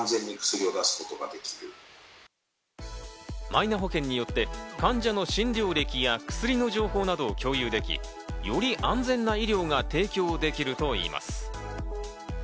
マイナ保険によって患者の診療歴や薬の情報などを共有でき、より安全な医療が提供できるといいます。